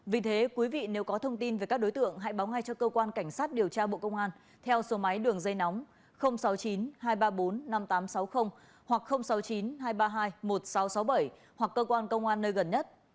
vì thế quý vị nếu có thông tin về các đối tượng hãy báo ngay cho cơ quan cảnh sát điều tra bộ công an theo số máy đường dây nóng sáu mươi chín hai trăm ba mươi bốn năm nghìn tám trăm sáu mươi hoặc sáu mươi chín hai trăm ba mươi hai một nghìn sáu trăm sáu mươi bảy hoặc cơ quan công an nơi gần nhất